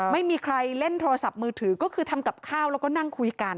ไม่มีใครเล่นโทรศัพท์มือถือก็คือทำกับข้าวแล้วก็นั่งคุยกัน